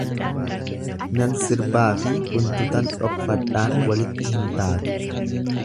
Nan sirbaafi guntutan dhokfadhaan walitti hin taatu.